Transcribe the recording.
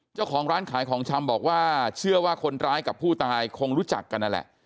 เจ้าของร้านขายของชำบอกว่าเชื่อว่าคนร้ายกับผู้ตายคงรู้จักกันนั่นแหละ